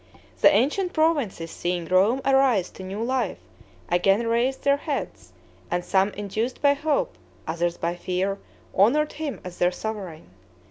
The ancient provinces, seeing Rome arise to new life, again raised their heads, and some induced by hope, others by fear, honored him as their sovereign.